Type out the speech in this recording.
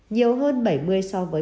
nhiều hơn bảy mươi so với